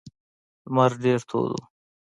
لمر ډیر تود و.